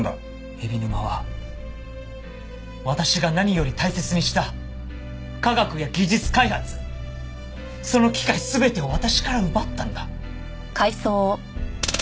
海老沼は私が何より大切にした科学や技術開発その機会全てを私から奪ったんだ。